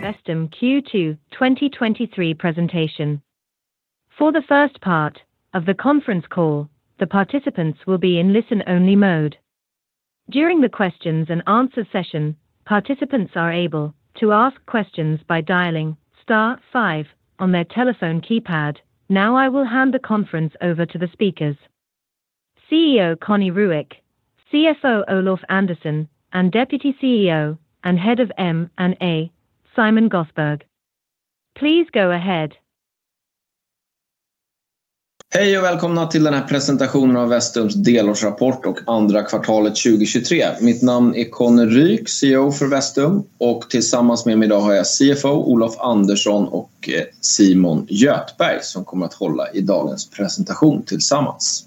Westum Q2 2023 presentation. For the first part of the conference call, the participants will be in listen only mode. During the questions and answer session, participants are able to ask questions by dialing star five on their telephone keypad. Now I will hand the conference over to the speakers, CEO Connie Ryck, CFO Olof Anderson, and Deputy CEO and Head of M&A, Simon Gosberg. Please go ahead. Hej och välkomna till den här presentationen av Westrums delårsrapport och andra kvartalet 2023. Mitt namn är Connie Ryck, CEO för Westrum, och tillsammans med mig idag har jag CFO Olof Andersson och Simon Göthberg, som kommer att hålla i dagens presentation tillsammans.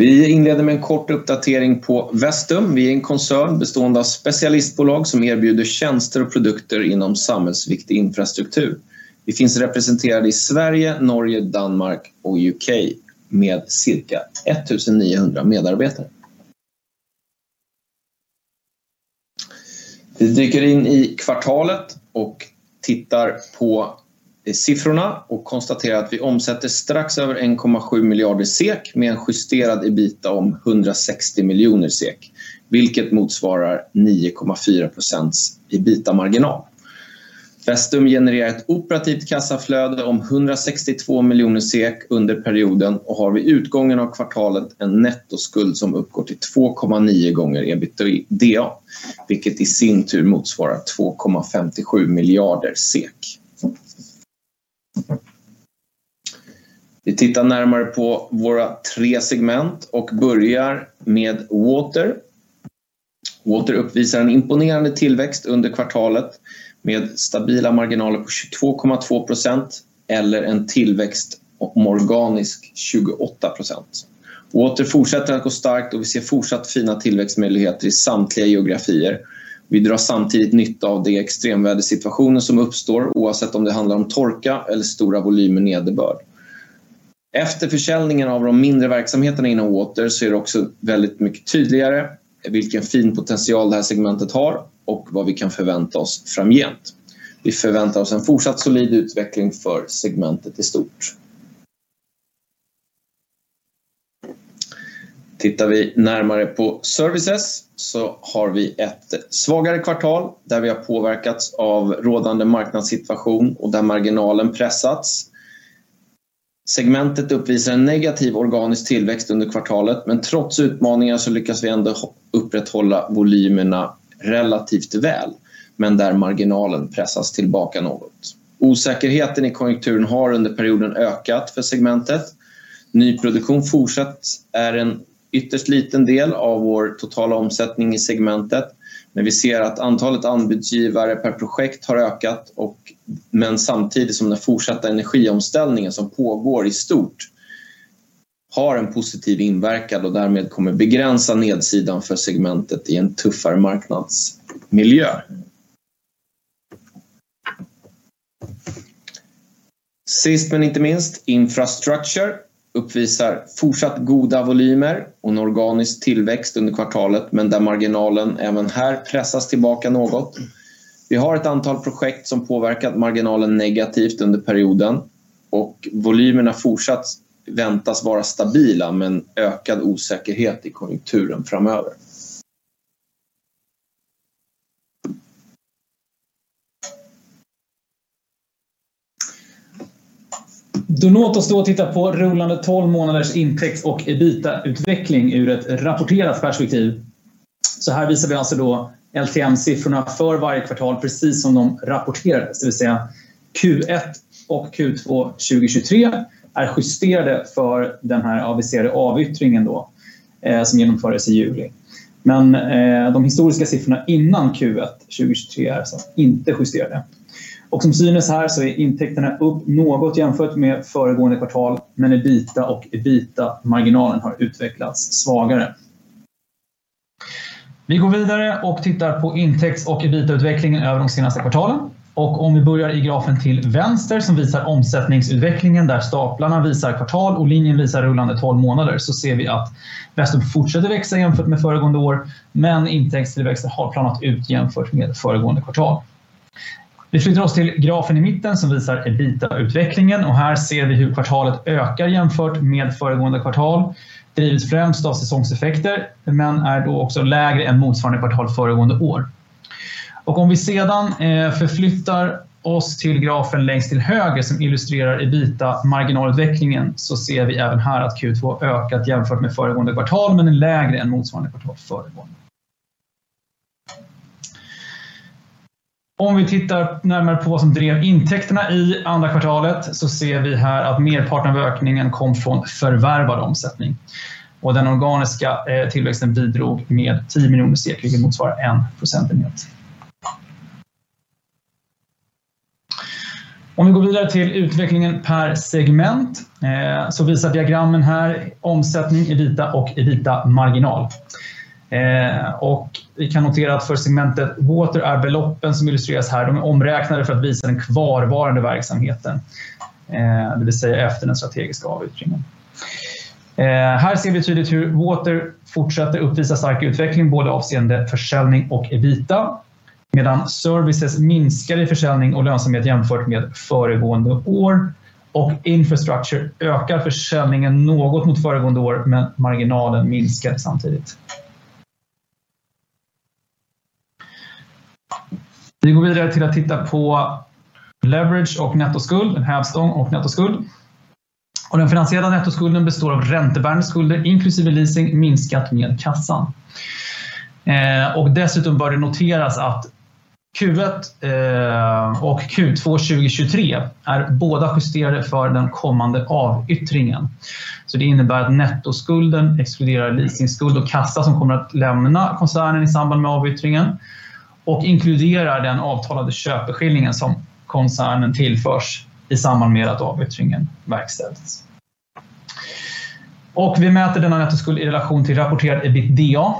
Vi inleder med en kort uppdatering på Westrum. Vi är en koncern bestående av specialistbolag som erbjuder tjänster och produkter inom samhällsviktig infrastruktur. Vi finns representerade i Sverige, Norge, Danmark och UK med cirka 1,900 medarbetare. Vi dyker in i kvartalet och tittar på siffrorna och konstaterar att vi omsätter strax över 1.7 miljarder SEK med en justerad EBITDA om 160 miljoner SEK, vilket motsvarar 9.4% EBITDA-marginal. Westrum genererar ett operativt kassaflöde om 162 miljoner SEK under perioden och har vid utgången av kvartalet en nettoskuld som uppgår till 2,9 gånger EBITDA, vilket i sin tur motsvarar 2,57 miljarder SEK. Vi tittar närmare på våra tre segment och börjar med Water. Water uppvisar en imponerande tillväxt under kvartalet med stabila marginaler på 22,2% eller en tillväxt om organisk 28%. Water fortsätter att gå starkt och vi ser fortsatt fina tillväxtmöjligheter i samtliga geografier. Vi drar samtidigt nytta av de extremvädersituationer som uppstår, oavsett om det handlar om torka eller stora volymer nederbörd. Efter försäljningen av de mindre verksamheterna inom Water, så är det också väldigt mycket tydligare vilken fin potential det här segmentet har och vad vi kan förvänta oss framgent. Vi förväntar oss en fortsatt solid utveckling för segmentet i stort. Tittar vi närmare på Services så har vi ett svagare kvartal, där vi har påverkats av rådande marknadssituation och där marginalen pressats. Segmentet uppvisar en negativ organisk tillväxt under kvartalet, men trots utmaningar så lyckas vi ändå upprätthålla volymerna relativt väl, men där marginalen pressas tillbaka något. Osäkerheten i konjunkturen har under perioden ökat för segmentet. Nyproduktion fortsatt är en ytterst liten del av vår totala omsättning i segmentet, men vi ser att antalet anbudsgivare per projekt har ökat. Samtidigt som den fortsatta energiomställningen som pågår i stort har en positiv inverkan och därmed kommer begränsa nedsidan för segmentet i en tuffare marknadsmiljö. Sist men inte minst, Infrastructure uppvisar fortsatt goda volymer och en organisk tillväxt under kvartalet, men där marginalen även här pressas tillbaka något. Vi har ett antal projekt som påverkat marginalen negativt under perioden och volymerna fortsatt väntas vara stabila, men ökad osäkerhet i konjunkturen framöver. Då låt oss då titta på rullande tolv månaders intäkts- och EBITDA-utveckling ur ett rapporterat perspektiv. Här visar vi alltså då LTM-siffrorna för varje kvartal, precis som de rapporterade, det vill säga Q1 och Q2 2023 är justerade för den här aviserade avyttringen då, som genomfördes i juli. Men de historiska siffrorna innan Q1 2023 är alltså inte justerade. Som synes här så är intäkterna upp något jämfört med föregående kvartal, men EBITDA och EBITDA-marginalen har utvecklats svagare. Vi går vidare och tittar på intäkts- och EBITDA-utvecklingen över de senaste kvartalen. Om vi börjar i grafen till vänster, som visar omsättningsutvecklingen, där staplarna visar kvartal och linjen visar rullande tolv månader, så ser vi att Westrum fortsätter växa jämfört med föregående år, men intäktstillväxten har planat ut jämfört med föregående kvartal. Vi flyttar oss till grafen i mitten som visar EBITDA-utvecklingen och här ser vi hur kvartalet ökar jämfört med föregående kvartal, drivs främst av säsongseffekter, men är då också lägre än motsvarande kvartal föregående år. Om vi sedan förflyttar oss till grafen längst till höger, som illustrerar EBITDA-marginalutvecklingen, så ser vi även här att Q2 ökat jämfört med föregående kvartal, men är lägre än motsvarande kvartal föregående. Om vi tittar närmare på vad som drev intäkterna i andra kvartalet, så ser vi här att merparten av ökningen kom från förvärvad omsättning. Den organiska tillväxten bidrog med 10 miljoner SEK, vilket motsvarar en procentenhet. Om vi går vidare till utvecklingen per segment, så visar diagrammen här omsättning, EBITDA och EBITDA-marginal. Vi kan notera att för segmentet Water är beloppen som illustreras här, de är omräknade för att visa den kvarvarande verksamheten, det vill säga efter den strategiska avyttringen. Här ser vi tydligt hur Water fortsätter uppvisa stark utveckling, både avseende försäljning och EBITDA, medan Services minskar i försäljning och lönsamhet jämfört med föregående år och Infrastructure ökar försäljningen något mot föregående år, men marginalen minskar samtidigt. Vi går vidare till att titta på leverage och nettoskuld, en hävstång och nettoskuld. Den finansierade nettoskulden består av räntebärande skulder, inklusive leasing, minskat med kassan. Dessutom bör det noteras att Q1 och Q2 2023 är båda justerade för den kommande avyttringen. Det innebär att nettoskulden exkluderar leasingskuld och kassa som kommer att lämna koncernen i samband med avyttringen och inkluderar den avtalade köpeskillingen som koncernen tillförs i samband med att avyttringen verkställs. Vi mäter denna nettoskuld i relation till rapporterad EBITDA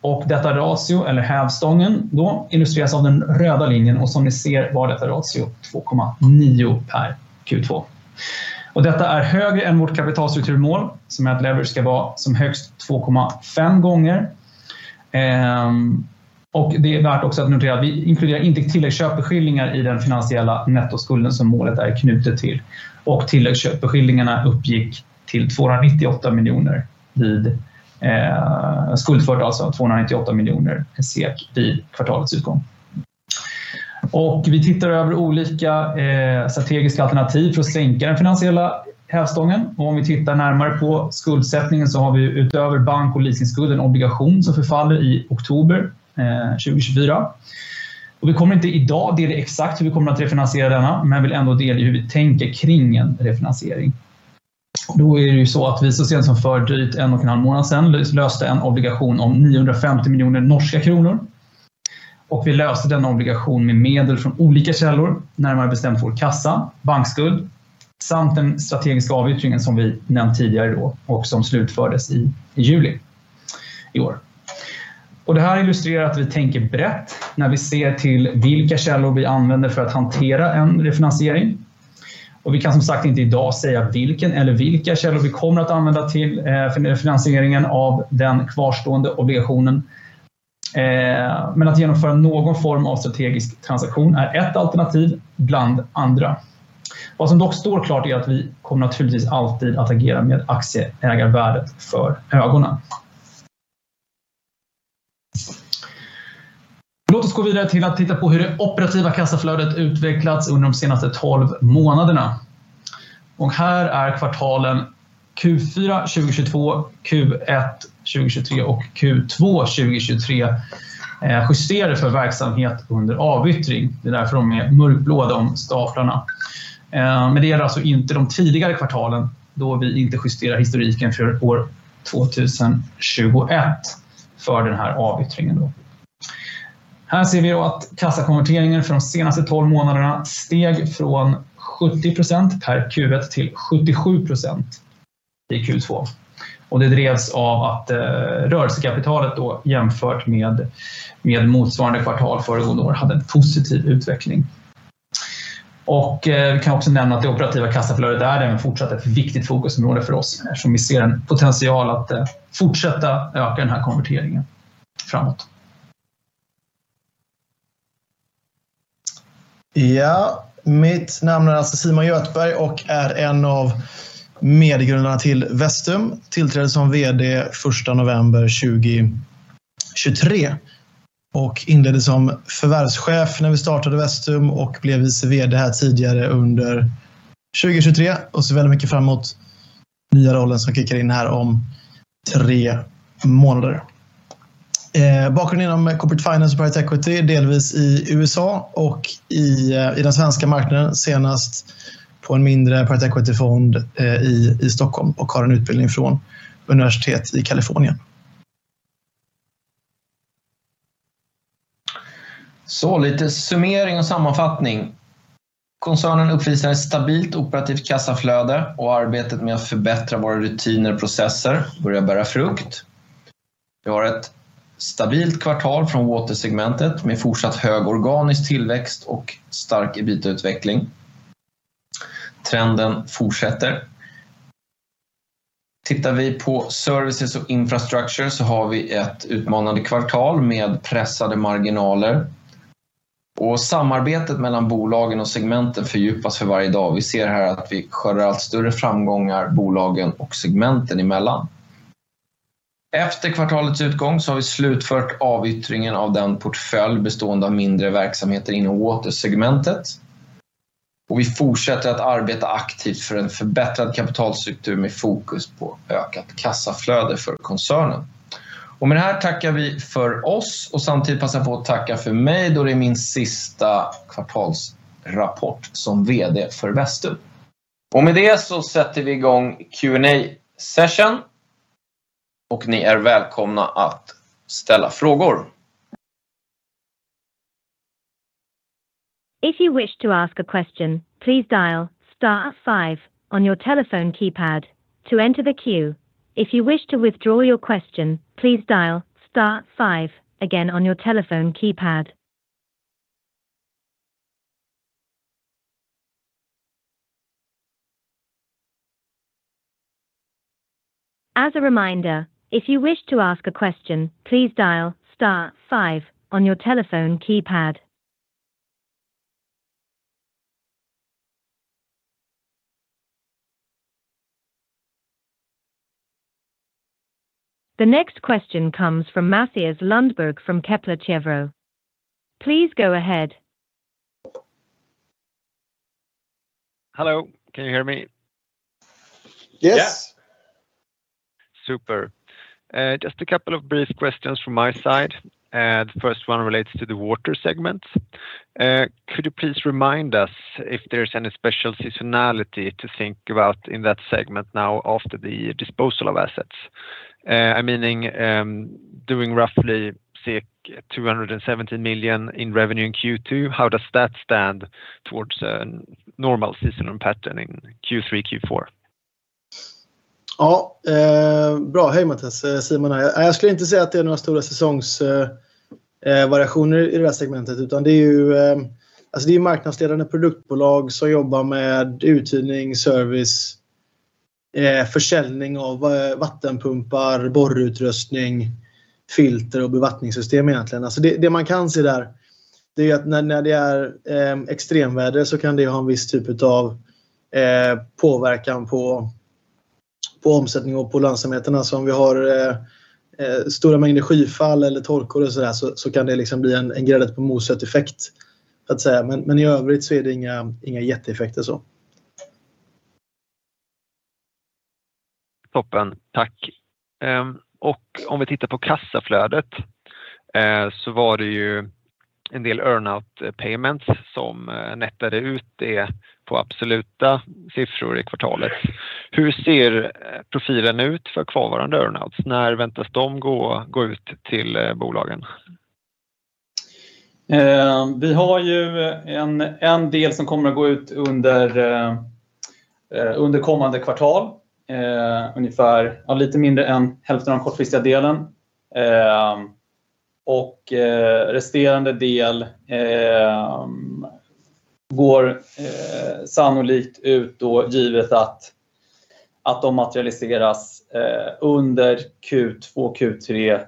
och detta ratio eller hävstången då illustreras av den röda linjen och som ni ser var detta ratio 2,9 per Q2. Och detta är högre än vårt kapitalstrukturmål, som är att leverage ska vara som högst 2,5 gånger. Och det är värt också att notera att vi inkluderar inte tilläggsköpeskillingar i den finansiella nettoskulden som målet är knutet till. Och tilläggsköpeskillingarna uppgick till 298 miljoner vid, skuldfört alltså 298 miljoner SEK vid kvartalets utgång. Och vi tittar över olika strategiska alternativ för att sänka den finansiella hävstången. Och om vi tittar närmare på skuldsättningen så har vi utöver bank- och leasingskuld, en obligation som förfaller i oktober 2024. Och vi kommer inte idag dela exakt hur vi kommer att refinansiera denna, men vill ändå dela hur vi tänker kring en refinansiering. Då är det ju så att vi så sent som för drygt en och en halv månad sedan löste en obligation om 950 miljoner norska kronor. Vi löste den obligationen med medel från olika källor, närmare bestämt vår kassa, bankskuld samt den strategiska avyttringen som vi nämnt tidigare då och som slutfördes i juli i år. Det här illustrerar att vi tänker brett när vi ser till vilka källor vi använder för att hantera en refinansiering. Vi kan som sagt inte i dag säga vilken eller vilka källor vi kommer att använda till finansieringen av den kvarstående obligationen. Men att genomföra någon form av strategisk transaktion är ett alternativ bland andra. Vad som dock står klart är att vi kommer naturligtvis alltid att agera med aktieägarvärdet för ögonen. Låt oss gå vidare till att titta på hur det operativa kassaflödet utvecklats under de senaste tolv månaderna. Här är kvartalen Q4 2022, Q1 2023 och Q2 2023 justerade för verksamhet under avyttring. Det är därför de är mörkblå de staplarna. Men det är alltså inte de tidigare kvartalen, då vi inte justerar historiken för år 2021 för den här avyttringen då. Här ser vi att kassakonverteringen för de senaste tolv månaderna steg från 70% per Q1 till 77% i Q2. Det drevs av att rörelsekapitalet då jämfört med motsvarande kvartal föregående år hade en positiv utveckling. Vi kan också nämna att det operativa kassaflödet är även fortsatt ett viktigt fokusområde för oss, eftersom vi ser en potential att fortsätta öka den här konverteringen framåt. Mitt namn är alltså Simon Göteborg och är en av medgrundarna till Westum. Tillträdde som VD första november 2023 och inledde som förvärvschef när vi startade Westum och blev vice VD här tidigare under 2023. Ser väldigt mycket fram mot nya rollen som kickar in här om tre månader. Bakgrunden inom corporate finance och private equity, delvis i USA och i den svenska marknaden. Senast på en mindre private equity-fond i Stockholm och har en utbildning från universitet i Kalifornien. Lite summering och sammanfattning. Koncernen uppvisar ett stabilt operativt kassaflöde och arbetet med att förbättra våra rutiner och processer börjar bära frukt. Vi har ett stabilt kvartal från water-segmentet med fortsatt hög organisk tillväxt och stark EBITDA-utveckling. Trenden fortsätter. Tittar vi på services och infrastructure så har vi ett utmanande kvartal med pressade marginaler och samarbetet mellan bolagen och segmenten fördjupas för varje dag. Vi ser här att vi skördar allt större framgångar bolagen och segmenten emellan. Efter kvartalets utgång så har vi slutfört avyttringen av den portfölj bestående av mindre verksamheter inom water-segmentet. Vi fortsätter att arbeta aktivt för en förbättrad kapitalstruktur med fokus på ökat kassaflöde för koncernen. Och med det här tackar vi för oss och samtidigt passa på att tacka för mig, då det är min sista kvartalsrapport som VD för Westum. Och med det så sätter vi igång Q&A sessionen och ni är välkomna att ställa frågor. If you wish to ask a question, please dial star five on your telephone keypad to enter the queue. If you wish to withdraw your question, please dial star five again on your telephone keypad. As a reminder, if you wish to ask a question, please dial star five on your telephone keypad. The next question comes from Matthias Lundberg from Kepler Cheuvreux. Please go ahead. Hello, can you hear me? Yes. Super. Just a couple of brief questions from my side. The first one relates to the water segment. Could you please remind us if there's any special seasonality to think about in that segment now after the disposal of assets? I mean, doing roughly $270 million in revenue in Q2, how does that stand towards a normal seasonal pattern in Q3, Q4? Ja, bra. Hej, Matthias. Simon här. Jag skulle inte säga att det är några stora säsongsvariationer i det här segmentet, utan det är ju marknadsledande produktbolag som jobbar med uthyrning, service, försäljning av vattenpumpar, borrutrustning, filter och bevattningssystem egentligen. Det man kan se där, det är ju att när det är extremvärde, så kan det ha en viss typ av påverkan på omsättning och på lönsamheten. Om vi har stora mängder skyfall eller torkor och sådär, så kan det liksom bli en grädde på moset effekt, så att säga. Men i övrigt så är det inga jätteeffekter så. Toppen. Tack. Och om vi tittar på kassaflödet, så var det ju en del earn out payments som nättade ut det på absoluta siffror i kvartalet. Hur ser profilen ut för kvarvarande earn outs? När väntas de gå ut till bolagen? Vi har ju en del som kommer att gå ut under kommande kvartal, ungefär ja lite mindre än hälften av den kortfristiga delen. Resterande del går sannolikt ut då, givet att de materialiseras under Q2, Q3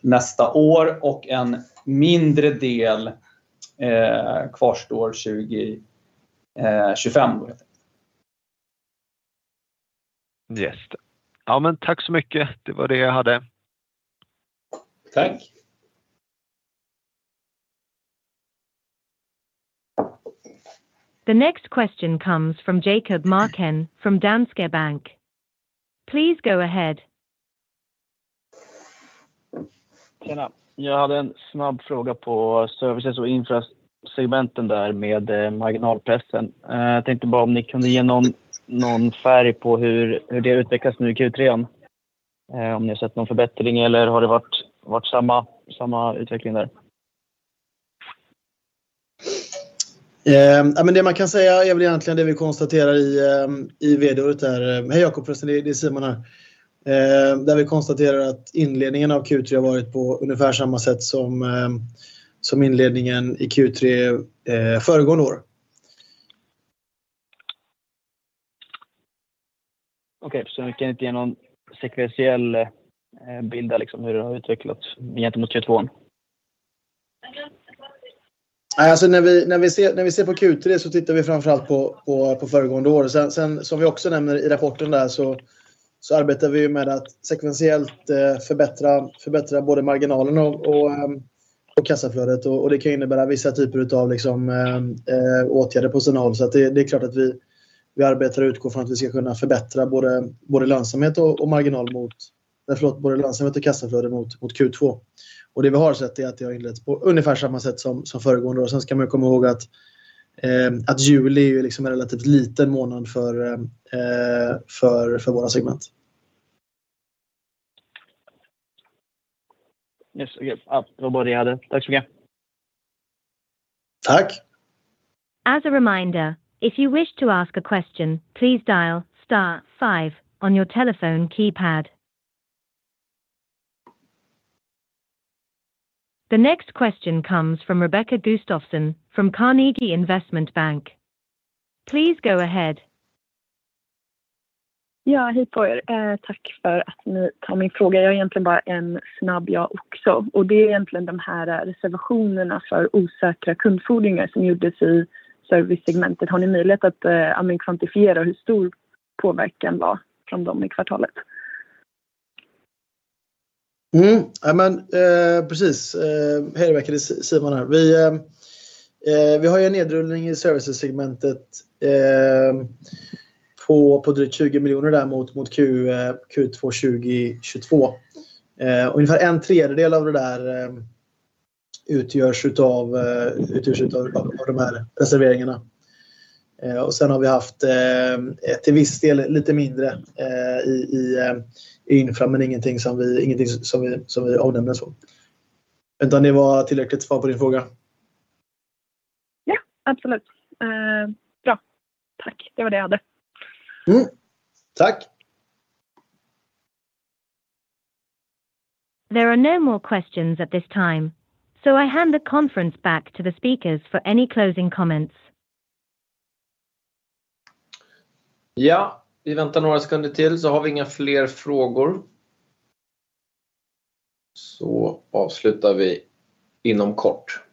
nästa år och en mindre del kvarstår 2025 då. Yes. Ja, men tack så mycket. Det var det jag hade. Tack! The next question comes from Jacob Marken from Danske Bank. Please go ahead. Tjena, jag hade en snabb fråga på Services och Infra segmenten där med marginalpressen. Jag tänkte bara om ni kunde ge någon färg på hur det utvecklas nu i Q3? Om ni har sett någon förbättring eller har det varit samma utveckling där? Ja, men det man kan säga är väl egentligen det vi konstaterar i VD-ordet där. Hej Jacob, det är Simon här. Där vi konstaterar att inledningen av Q3 har varit på ungefär samma sätt som inledningen i Q3 föregående år. Okej, så ni kan inte ge någon sekventiell bild där, liksom, hur det har utvecklats gentemot Q2? Nej, alltså, när vi ser på Q3 så tittar vi framför allt på föregående år. Sen, som vi också nämner i rapporten där, så arbetar vi ju med att sekventiellt förbättra både marginalen och kassaflödet. Det kan innebära vissa typer av åtgärder på personal. Så det är klart att vi arbetar och utgår från att vi ska kunna förbättra både lönsamhet och kassaflöde mot Q2. Det vi har sett är att det har inletts på ungefär samma sätt som föregående år. Sen ska man ju komma ihåg att juli är ju en relativt liten månad för våra segment. Yes, det var bara det jag hade. Tack så mycket. Tack! As a reminder, if you wish to ask a question, please dial star five on your telephone keypad. The next question comes from Rebecca Gustafsson from Carnegie Investment Bank. Please go ahead. Ja, hej på er. Tack för att ni tar min fråga. Jag har egentligen bara en snabb jag också, och det är egentligen de här reservationerna för osäkra kundfordringar som gjordes i service segmentet. Har ni möjlighet att, ja men kvantifiera hur stor påverkan var från dem i kvartalet? Nej, men precis. Hej Rebecca, det är Simon här. Vi har ju en nedrullning i servicesegmentet på drygt 20 miljoner där mot Q2 2022. Ungefär en tredjedel av det där utgörs av de här reserveringarna. Sen har vi haft till viss del lite mindre i Infra, men ingenting som vi avnämner som. Jag hoppas det var tillräckligt svar på din fråga? Ja, absolut. Bra, tack! Det var det jag hade. Mm. Tack. There are no more questions at this time, so I hand the conference back to the speakers for any closing comments. Ja, vi väntar några sekunder till, så har vi inga fler frågor. Så avslutar vi inom kort.